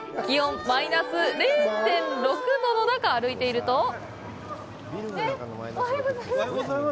気温マイナス０．６度の中、歩いていると。